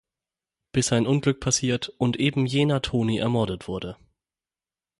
Bis ein Unglück passiert und eben jener Toni ermordet wurde.